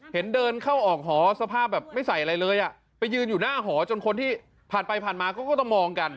เห็นเดินเข้าออกหอสภาพแบบไม่ใส่อะไรเลยอ่ะไปยืนอยู่หน้าหอจนคนที่ผ่านไปผ่านมาก็ต้องมองกัน